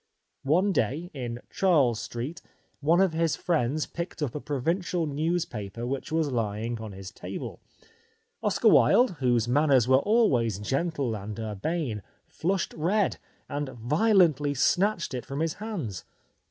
One day in Charles Street one of his friends picked up a provincial newspaper which 247 The Life of Oscar Wilde was lying on his table. Oscar Wilde, whose manners were always gentle and urbane, flushed red, and violently snatched it from his hands.